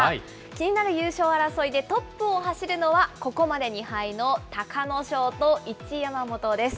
気になる優勝争いで、トップを走るのは、ここまで２敗の隆の勝と一山本です。